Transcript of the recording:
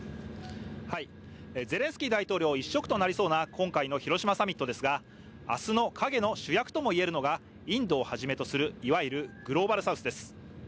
ゼレンスキー大統領一色となりそうな今回の広島サミットですが、明日の影の主役とも言えるのがインドをはじめとする、いわゆるグローバルサウスです。